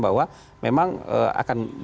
bahwa memang akan